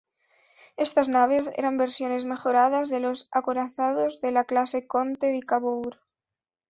Estas naves eran versiones mejoradas de los acorazados de la clase Conte di Cavour.